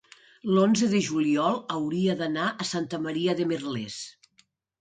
l'onze de juliol hauria d'anar a Santa Maria de Merlès.